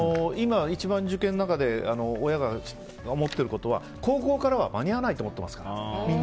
今、一番受験の中で親が思ってることは高校からは間に合わないと思ってますから。